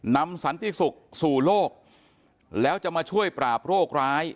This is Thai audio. สันติสุขสู่โลกแล้วจะมาช่วยปราบโรคร้าย